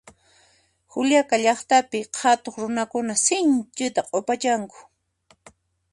Juliaca llaqtapi qhatuq runakuna sinchita q'upachanku